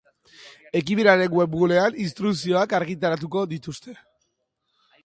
Ekimenaren webgunean instrukzioak argitaratuko dituzte.